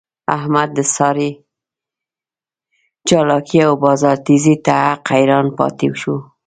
احمد د سارې چالاکی او بازار تېزۍ ته حق حیران پاتې شو.